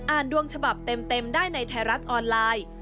ดวงฉบับเต็มได้ในไทยรัฐออนไลน์